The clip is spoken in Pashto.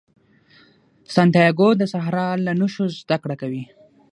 سانتیاګو د صحرا له نښو زده کړه کوي.